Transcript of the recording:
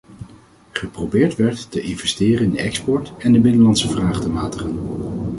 Geprobeerd werd te investeren in de export, en de binnenlandse vraag te matigen.